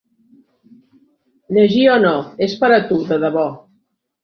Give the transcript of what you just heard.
Llegir o no, és per a tu, de debò.